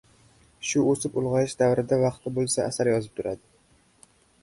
Shu o‘sib-ulg‘ayish davrida vaqti bo‘lsa, asar yozib turadi.